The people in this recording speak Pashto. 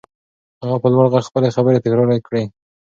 هغه په لوړ غږ خپلې خبرې تکرار کړې.